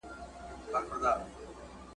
د کتاب لوستل انسان ته د نويو مفکورو دروازې